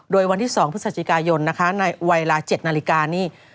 โดยวันที่๒พฤศจิกายนในวัยลา๗นาฬิกานี้